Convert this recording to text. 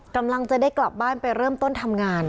กำลังจะได้กลับบ้านไปเริ่มต้นทำงาน